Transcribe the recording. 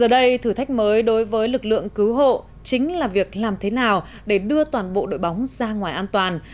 ở đây thử thách mới đối với lực lượng cứu hộ chính là việc làm thế nào để đưa toàn bộ đội bóng ra ngoài an toàn